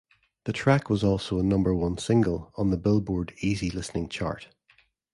The track was also a number-one single on the "Billboard" easy listening chart.